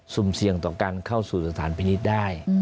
เสี่ยงต่อการเข้าสู่สถานพินิษฐ์ได้